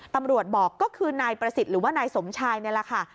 ตำรวจบอกก็คือนายประสิทธิ์หรือว่านายสมชายนี่แหละค่ะ